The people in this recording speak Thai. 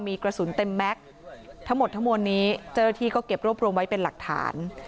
มีกระสุนเต็มแม็กซ์ทั้งหมดทั้งมวลนี้เจ้าหน้าที่ก็เก็บรวบรวมไว้เป็นหลักฐาน